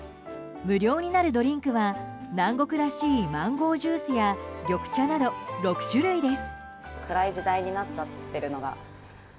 無料になるドリンクは南国らしいマンゴージュースや緑茶など６種類です。